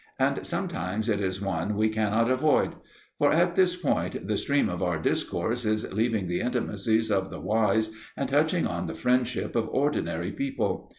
And sometimes it is one we cannot avoid. For at this point the stream of our discourse is leaving the intimacies of the wise and touching on the friendship of ordinary people.